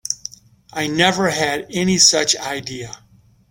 I never had any such idea.